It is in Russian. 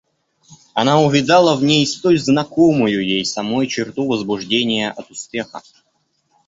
Она увидала в ней столь знакомую ей самой черту возбуждения от успеха.